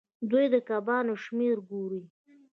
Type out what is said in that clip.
دوی د کبانو شمیر ګوري.